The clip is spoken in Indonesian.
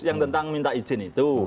yang tentang minta izin itu